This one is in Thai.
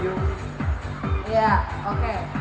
โอเค